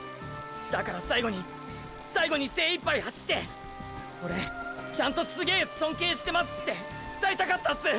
だから最後に最後に精いっぱい走ってオレちゃんとすげー尊敬してますって伝えたかったっす！